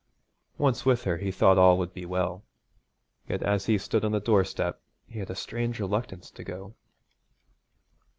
Once with her he thought all would be well. Yet as he stood on the doorstep he had a strange reluctance to go.